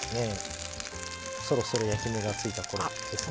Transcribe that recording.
そろそろ焼き目がついた頃ですね。